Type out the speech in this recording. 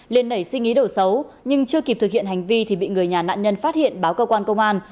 liên nảy suy nghĩ đổ xấu nhưng chưa kịp thực hiện hành vi thì bị người nhà nạn nhân phát hiện báo cơ quan công an